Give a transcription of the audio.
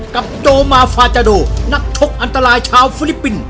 โดมาฟาจาโดนักชกอันตรายชาวฟิลิปปินส์